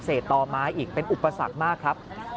ต่อไม้อีกเป็นอุปสรรคมากครับ